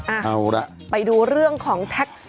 อ้าวเอาล่ะไปดูเรื่องของ